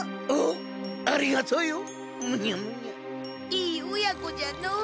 いい親子じゃのう。